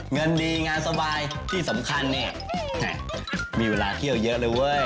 เงินดีงานสบายที่สำคัญเนี่ยมีเวลาเที่ยวเยอะเลยเว้ย